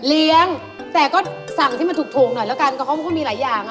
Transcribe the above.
เลี้ยงแต่ก็สั่งที่มันถูกถูกหน่อยแล้วกันเค้าเขามีหลายอย่างอ่ะ